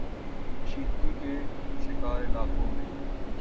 کشیدگی کے شکار علاقوں میں